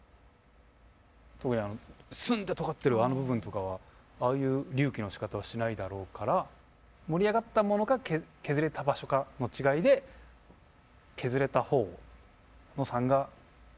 特にあのスンってとがってるあの部分とかはああいう隆起のしかたはしないだろうから盛り上がったものか削れた場所かの違いで削れた方の③が仲間はずれじゃないかと。